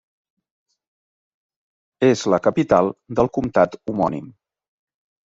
És la capital del comtat homònim.